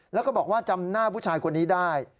แล้วก็บอกว่าจำหน้าผู้ชายคนนี้ได้